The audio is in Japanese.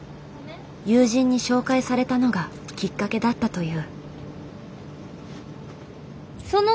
友人に紹介されたのがきっかけだったという。